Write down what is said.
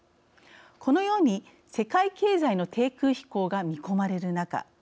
このように世界経済の低空飛行が見込まれる中